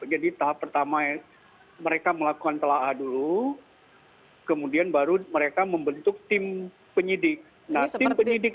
jadi tahap pertama mereka melakukan telah dulu kemudian baru mereka membentuk tim penyidik